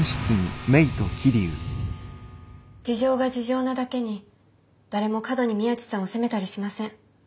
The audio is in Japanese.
事情が事情なだけに誰も過度に宮地さんを責めたりしません。